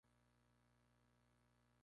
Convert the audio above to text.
Se guarda en el museo Diocesano de Urgel.